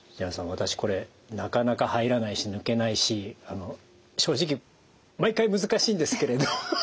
私これなかなか入らないし抜けないし正直毎回難しいんですけれど。